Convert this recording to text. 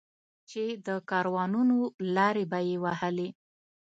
چې د کاروانونو لارې به یې وهلې.